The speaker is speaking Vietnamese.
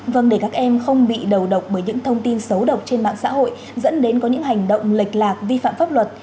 vâng để các em không bị đầu độc bởi những thông tin xấu độc trên mạng xã hội dẫn đến có những hành động lệch lạc vi phạm pháp luật